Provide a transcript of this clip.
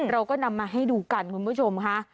เราก็นำมาให้ดูกันคุณผู้ชมค่ะ